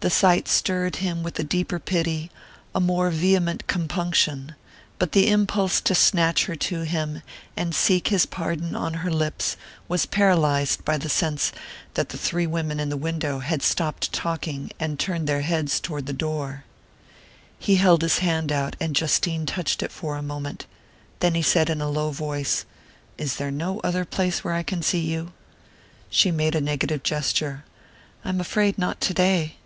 The sight stirred him with a deeper pity, a more vehement compunction; but the impulse to snatch her to him, and seek his pardon on her lips, was paralyzed by the sense that the three women in the window had stopped talking and turned their heads toward the door. He held his hand out, and Justine's touched it for a moment; then he said in a low voice: "Is there no other place where I can see you?" She made a negative gesture. "I am afraid not to day."